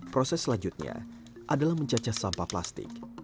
proses selanjutnya adalah mencacah sampah plastik